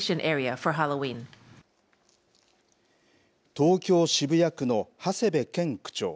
東京・渋谷区の長谷部健区長。